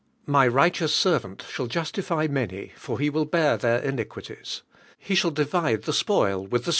.My righteous KCI'Villlt shall justify many l"i' IJ< will bear their Iniquities. Hi shall ili 'Me ii»' spoil with Hi.'